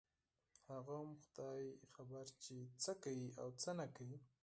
هغه هم خداى خبر چې څه کوي او څه نه کوي.